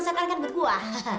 dasar kegeran aja bisanya